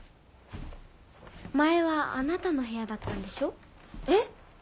前はあなたの部屋だったんでしょ？えっ？